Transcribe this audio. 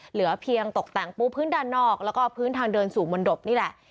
เหลือเพียงตกแต่งปูพื้นด้านนอกแล้วก็พื้นทางเดินสู่มนตบนี่แหละ